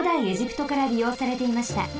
エジプトからりようされていました。